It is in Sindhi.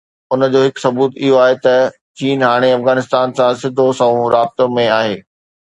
ان جو هڪ ثبوت اهو آهي ته چين هاڻي افغانستان سان سڌو سنئون رابطو ۾ آهي.